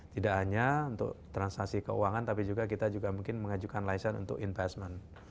tidak hanya untuk transaksi keuangan tapi juga kita juga mungkin mengajukan license untuk investment